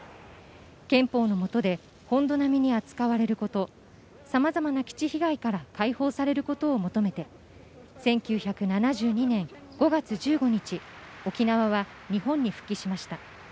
憲法の下で本土並みに扱われること、さまざまな基地被害から解放されることを求めて１９７２年５月１５日、沖縄は日本に復帰しました。